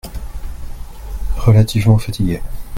Relativement fatigué.